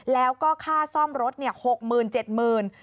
แล้วก็ค่าซ่อมรถ๖หมื่น๗หมื่น